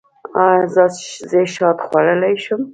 ایا زه شات خوړلی شم؟